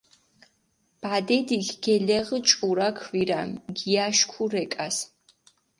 ბადიდიქ გელეღჷ ჭურა ქვირამი, გიაშქუ რეკას.